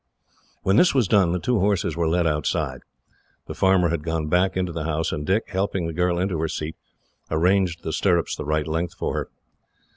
When this was done, the two horses were led outside. The farmer had gone back into the house, and Dick, helping the girl into her seat, arranged the stirrups the right length for her.